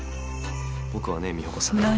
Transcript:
僕はね美保子さん。何！？